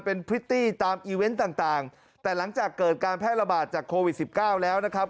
เป็นพริตตี้ตามอีเวนต์ต่างต่างแต่หลังจากเกิดการแพร่ระบาดจากโควิดสิบเก้าแล้วนะครับ